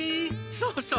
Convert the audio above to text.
そうそう。